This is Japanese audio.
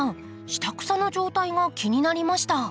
下草の状態が気になりました。